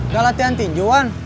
gak latihan tinjuan